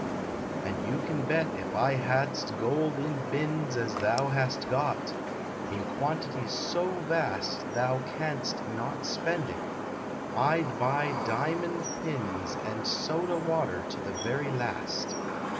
And you can bet if I hadst gold in bins As thou hast got, in quantities so vast Thou canst not spend it, I d buy diamond pins And soda water to the very last!